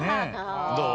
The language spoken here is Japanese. どう？